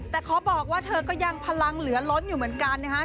แต่ขอบอกว่าเธอก็ยังพลังเหลือล้นอยู่เหมือนกันนะฮะ